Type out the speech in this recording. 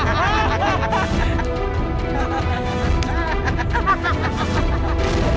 kalau di kasih sayang